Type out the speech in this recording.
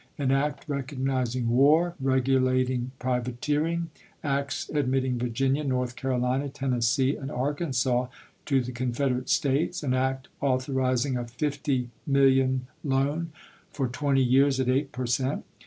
An act recognizing war and regulating privateering ; acts admitting Virginia, North Caro lina, Tennessee, and Arkansas to the " Confederate States "; an act authorizing a fifty million loan, for twenty years, at eight per cent.